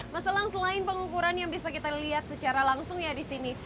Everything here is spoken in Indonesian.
mas elang selain pengukuran yang bisa kita lihat secara langsung ya di sini